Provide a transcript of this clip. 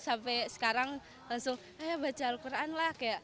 sampai sekarang langsung baca al quran lah